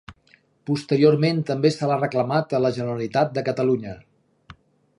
Posteriorment també se l'ha reclamat a la Generalitat de Catalunya.